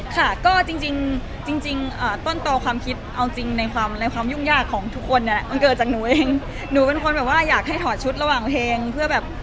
ค่ะก็จริงจริงต้นโตความคิดเอาจริงในความในความยุ่งยากของทุกคนเนี่ยมันเกิดจากหนูเองหนูเป็นคนแบบว่าอยากให้ถอดชุดระหว่างเพลงเพื่อแบบ